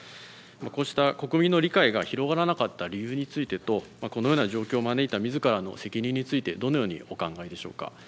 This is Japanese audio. こうした国民の理解が広がらなかった理由についてとこのような状況を招いたみずからの責任についてどのようにお考えでしょうか。